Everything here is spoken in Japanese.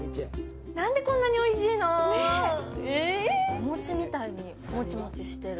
お餅みたいにモチモチしてる。